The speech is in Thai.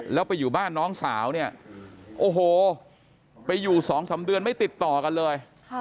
แล้วไปอยู่บ้านน้องสาวเนี่ยโอ้โหไปอยู่๒๓เดือนไม่ติดต่อกันเลย